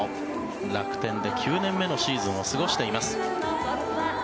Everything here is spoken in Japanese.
楽天で９年目のシーズンを過ごしています。